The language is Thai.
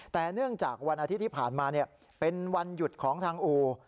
แต่เนื่องจากวันอาทิตย์ที่ผ่านมาเป็นวันหยุดของทางอู่